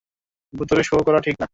ভুতুড়ে শো করা ঠিক না।